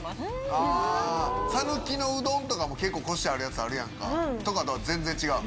あ讃岐のうどんとかも結構コシあるやつあるやんか。とかとは全然違う？